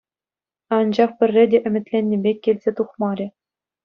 Анчах пӗрре те ӗмӗтленнӗ пек килсе тухмарӗ.